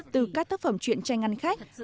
từ các thấp phẩm truyền tranh ăn khách